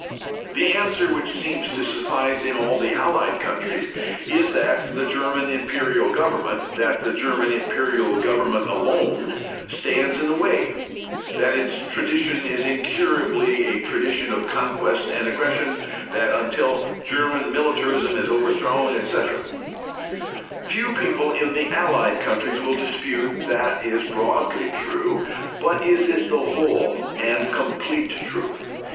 The answer which seems to suffice in all the Allied countries is that the German Imperial Government that the German Imperial Government alone stands in the way, that its tradition is incurably a tradition of conquest and aggression, that until German militarism is overthrown, etc. Few people in the Allied countries will dispute that that is broadly true. But is it the whole and complete truth?